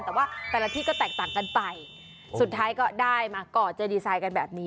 แต่ว่าแต่ละที่ก็แตกต่างกันไปสุดท้ายก็ได้มาก่อเจดีไซน์กันแบบนี้